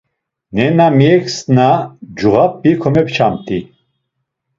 Nena miyeǩesna cuğap̌i komepçamt̆i.